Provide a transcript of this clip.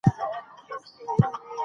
بسته بندي مهمه ده.